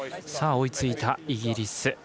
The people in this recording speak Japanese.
追いついたイギリス。